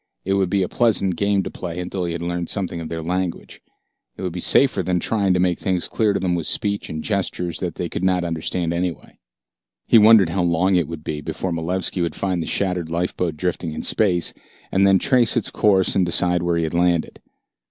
It would be a pleasant game to play until he had learned something of their language. It would be safer than trying to make things clear to them with speech and gestures that they could not understand anyway. He wondered how long it would be before Malevski would find the shattered lifeboat drifting in space, and then trace its course and decide where he had landed.